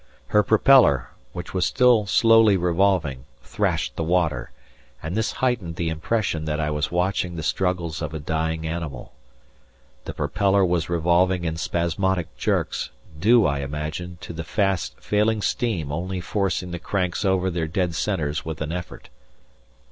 Her propeller, which was still slowly revolving, thrashed the water, and this heightened the impression that I was watching the struggles of a dying animal. The propeller was revolving in spasmodic jerks, due, I imagine, to the fast failing steam only forcing the cranks over their dead centres with an effort.